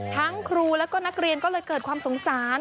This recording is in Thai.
ครูแล้วก็นักเรียนก็เลยเกิดความสงสาร